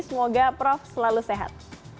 semoga prof selalu sehat